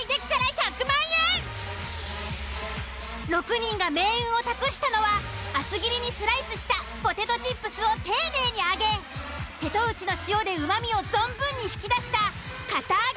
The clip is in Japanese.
６人が命運を託したのは厚切りにスライスしたポテトチップスを丁寧に揚げ瀬戸内の塩でうまみを存分に引き出した堅あげ